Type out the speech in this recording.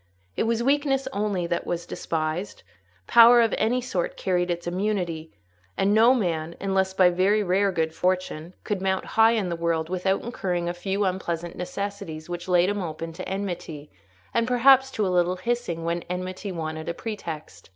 It was weakness only that was despised; power of any sort carried its immunity; and no man, unless by very rare good fortune, could mount high in the world without incurring a few unpleasant necessities which laid him open to enmity, and perhaps to a little hissing, when enmity wanted a pretext.